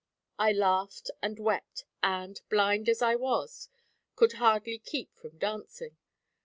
I laughed, and wept, and, blind as I was, could hardly keep from dancing.